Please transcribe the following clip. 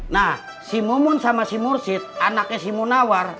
nah si mumun sama si mursid anaknya si munawar